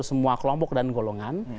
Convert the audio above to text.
semua kelompok dan golongan